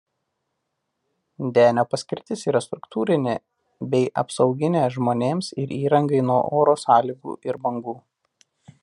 Denio paskirtis yra struktūrinė bei apsauginė žmonėms ir įrangai nuo oro sąlygų ir bangų.